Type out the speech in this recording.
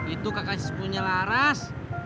itu kakak sepupunya laras